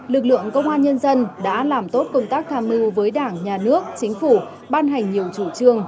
lực lượng công an nhân dân đã làm tốt công tác tham mưu với đảng nhà nước chính phủ ban hành nhiều chủ trương